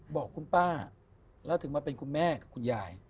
บอกคุณป้าแล้วถึงมาเป็นคุณแม่กับคุณยาย